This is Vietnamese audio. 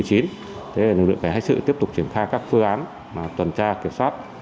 thế là lực lượng phái hãi sự tiếp tục triển khai các phương án tuần tra kiểm soát